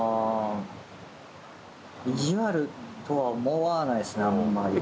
意地悪とは思わないですねあんまり。